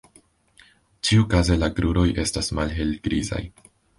Ĉiukaze la kruroj estas malhelgrizaj.